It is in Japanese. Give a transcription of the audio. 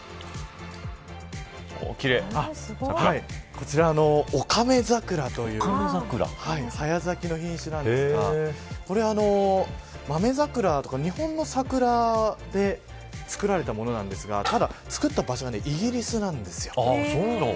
こちらオカメザクラという早咲きの品種なんですがこれはマメザクラとか日本の桜で作られたものなんですがただ作った場所がイギリスなんですよ。